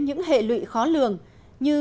những hệ lụy khó lường như